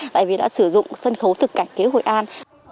tại vì đã sử dụng sân khấu thực cảnh kế hội an